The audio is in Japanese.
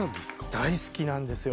大好きなんですよ